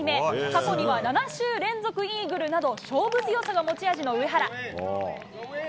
過去には７週連続イーグルなど、勝負強さが持ち味の上原。